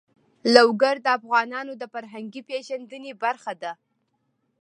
لوگر د افغانانو د فرهنګي پیژندنې برخه ده.